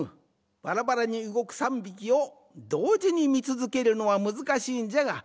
バラバラにうごく３びきをどうじにみつづけるのはむずかしいんじゃがわ